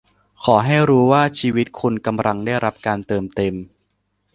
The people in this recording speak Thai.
ขอให้รู้ว่าชีวิตคุณกำลังได้รับการเติมเต็ม